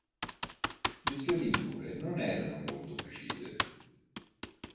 Le sue misure non erano molto precise.